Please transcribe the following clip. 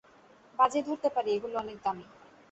বাজি ধরতে পারি এগুলো অনেক দামি।